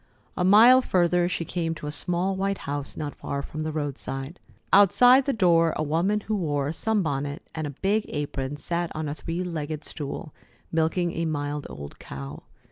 A mile further she came to a small white house not far from the roadside. Outside the door a woman who wore a sunbonnet and a big apron sat on a three legged stool, milking a mild old cow.